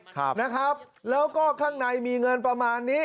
ครับนะครับแล้วก็ข้างในมีเงินประมาณนี้